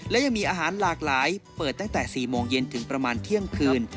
และยังมีอาหารหลากหลายเปิดตั้งแต่๔โมงเย็นถึงประมาณเที่ยงคืน